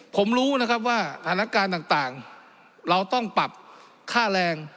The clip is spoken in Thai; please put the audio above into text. ผมรู้ว่าธนการต่างเราต้องปรับค่าแรง